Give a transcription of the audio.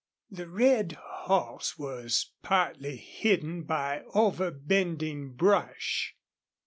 The red horse was partly hidden by overbending brush.